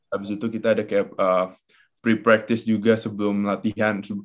habis itu kita ada kayak pre practice juga sebelum latihan